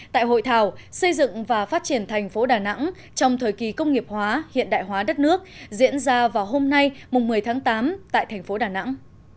tại hội thảo xây dựng và phát triển thành phố đà nẵng trong thời kỳ công nghiệp hóa hiện đại hóa đất nước diễn ra vào hôm nay một mươi tháng tám tại thành phố đà nẵng